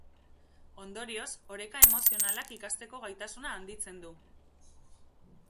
Ondorioz, oreka emozionalak ikasteko gaitasuna handitzen du.